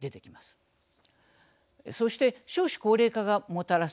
そして少子高齢化がもたらす